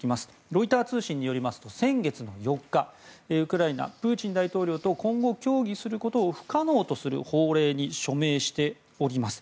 ロイター通信によりますと先月４日ウクライナ、プーチン大統領と今後、協議することを不可能とする法令に署名しております。